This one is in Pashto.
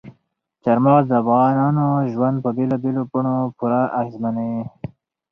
چار مغز د افغانانو ژوند په بېلابېلو بڼو پوره اغېزمنوي.